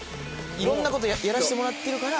いろんなことやらせてもらってるから。